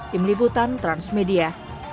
di melibutan transmedia